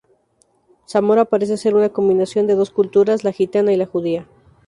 Zamora parece ser una combinación de dos culturas; la gitana y la judía.